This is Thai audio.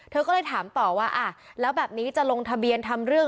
เธอก็เลยถามต่อว่าอ่ะแล้วแบบนี้จะลงทะเบียนทำเรื่อง